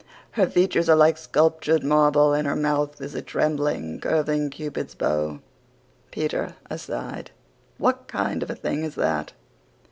Her features are like sculptured marble and her mouth is a trembling, curving Cupid's bow. (PETER, ASIDE: "What kind of a thing is that?")